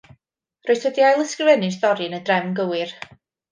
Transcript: Rwyt wedi ail ysgrifennu'r stori yn y drefn gywir